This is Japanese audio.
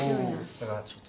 だからちょっと。